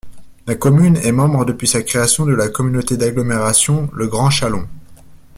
La commune est membre depuis sa création de la communauté d'agglomération Le Grand Chalon.